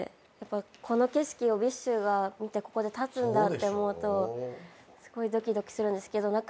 この景色をＢｉＳＨが見てここで立つんだって思うとすごいドキドキするんですけど。